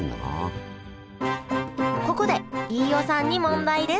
ここで飯尾さんに問題です！